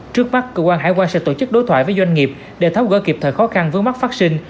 trước mắt cơ quan hải quan sẽ tổ chức đối thoại với doanh nghiệp để tháo gỡ kịp thời khó khăn vướng mắt phát sinh